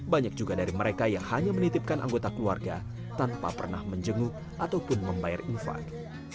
banyak juga dari mereka yang hanya menitipkan anggota keluarga tanpa pernah menjenguk ataupun membayar infan